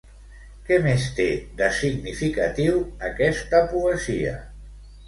Què més té, de significatiu, aquesta poesia?